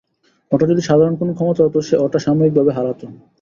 ওটা যদি সাধারণ কোনো ক্ষমতা হতো, সে ওটা সাময়িকভাবে হারাতো।